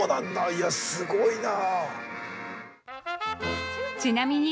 いやすごいな。